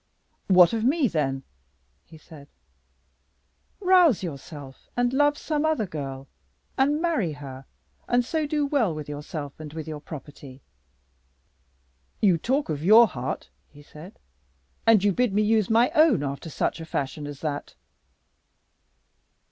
"What of me, then?" he said. "Rouse yourself and love some other girl and marry her, and so do well with yourself and with your property." "You talk of your heart," he said, "and you bid me use my own after such fashion as that!"